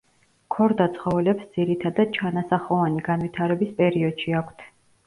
ქორდა ცხოველებს ძირითადად ჩანასახოვანი განვითარების პერიოდში აქვთ.